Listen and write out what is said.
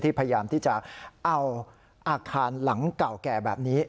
พยายามที่จะเอาอาคารหลังเก่าแก่แบบนี้